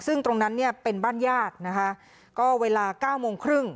ซึ่งตรงนั้นเป็นบ้านญาตินะคะก็เวลา๙โมงครึ่ง